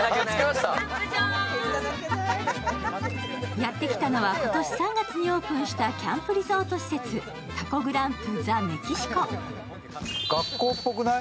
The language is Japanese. やってきたのは今年３月にオープンしたキャンプリゾート施設、学校っぽくない？